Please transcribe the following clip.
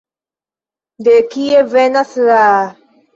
De kie venas la...